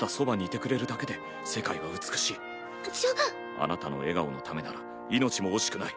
あなたの笑顔のためなら命も惜しくない。